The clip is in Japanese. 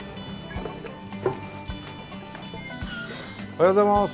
おはようございます。